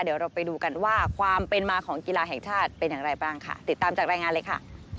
เดี๋ยวเราไปดูกันว่าความเป็นมาของกีฬาแห่งชาติเป็นอย่างไรบ้างค่ะติดตามจากรายงานเลยค่ะ